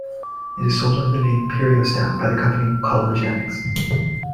It is sold under the trade name Periostat by the company CollaGenex.